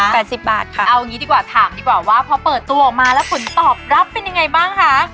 ราคาเท่าไหร่ค่ะ๘๐บาทถามดีกว่าพอเปิดตัวออกมาแล้วผลตอบรับเป็นยังไงบ้างคะ